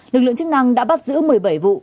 lực lượng chức năng đã bắt giữ một mươi bảy vụ